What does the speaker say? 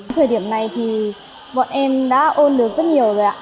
thời điểm này thì bọn em đã ôn được rất nhiều rồi ạ